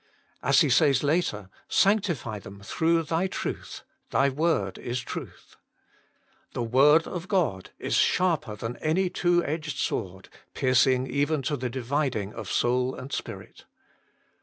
As He says later, " Sanctify them through Thy truth ; Thy word is truth." " The word of God is sharper than any two edged sword, piercing even to the dividing of soul and spirit."